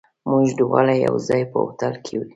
موږ دواړه یو ځای، په هوټل کې.